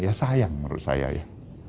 ya sayang menurut saya ya